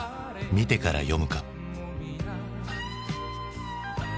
見てから読むか。」。